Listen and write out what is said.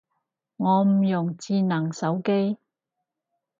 我唔用智能手機